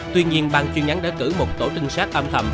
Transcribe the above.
tuy nhiên bàn chuyên nhắn đã cử một tổ trinh sát âm thầm